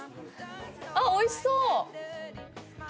あっおいしそう！